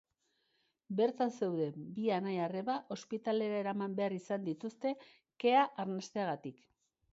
Bertan zeuden bi anai-arreba ospitalera eraman behar izan dituzte kea arnasteagatik.